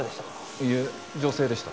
いいえ女性でした。